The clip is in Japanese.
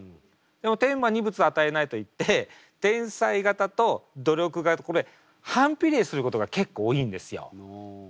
でも天は二物を与えないといって天才型と努力型これ反比例することが結構多いんですよ。